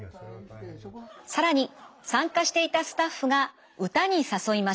更に参加していたスタッフが歌に誘いました。